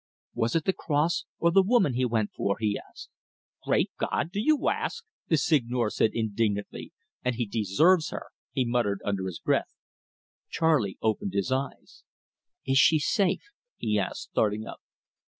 "Was it the cross or the woman he went for?" he asked. "Great God do you ask!" the Seigneur said indignantly. "And he deserves her," he muttered under his breath. Charley opened his eyes. "Is she safe?" he asked, starting up.